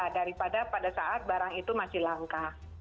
daripada pada saat barang itu masih langka